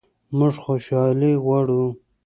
موږ خوشحالي غواړو